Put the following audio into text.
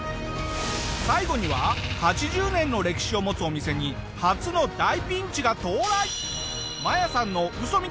最後には８０年の歴史を持つお店に初の大ピンチが到来！